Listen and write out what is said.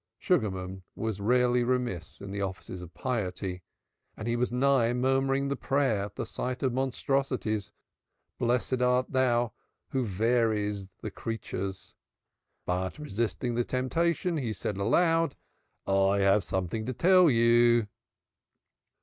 Sugarman was rarely remiss in the offices of piety and he was nigh murmuring the prayer at the sight of monstrosities. "Blessed art Thou who variest the creatures." But resisting the temptation he said aloud, "I have something to tell you."